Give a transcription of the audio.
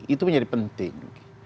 itu menjadi penting